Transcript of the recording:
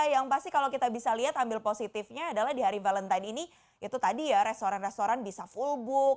yang pasti kalau kita bisa lihat ambil positifnya adalah di hari valentine ini itu tadi ya restoran restoran bisa full book